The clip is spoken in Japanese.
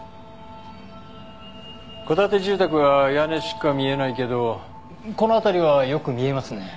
戸建て住宅は屋根しか見えないけどこの辺りはよく見えますね。